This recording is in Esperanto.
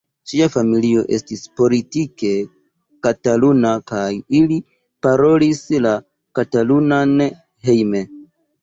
Ŝia familio estis politike kataluna kaj ili parolis la katalunan hejme.